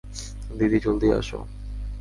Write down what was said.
দিদি, জলদি আসো!